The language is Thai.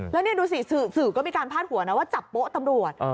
แล้วนี่ดูสิสื่อก็มีการพาดหัวนะว่าจับโป๊ะตำรวจ